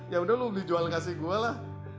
ya udah lu jual jual kasih gue lah